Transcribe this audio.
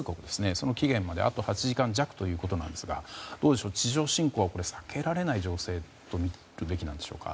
その期限まであと８時間弱ですが地上侵攻は避けられない情勢とみるべきなのでしょうか。